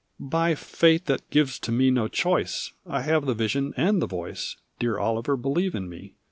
"By fate, that gives to me no choice, I have the vision and the voice: Dear Oliver, believe in me.